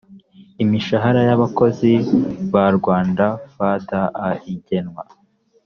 imishahara y abakozi ba rwanda fda igenwa